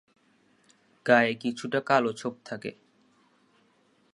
গায়ে কিছুটা কালো ছোপ থাকে।